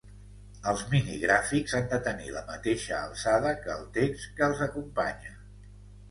Els minigràfics han de tenir la mateixa alçada que el text que els acompanya.